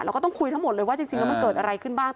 ก็ต้องคุยทั้งหมดเลยว่าจริงแล้วมันเกิดอะไรขึ้นบ้าง